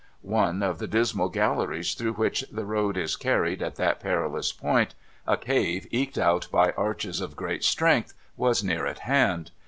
One of the dismal galleries through which the road is carried at that perilous point, a cave eked out by arches of great strength, was near at hand.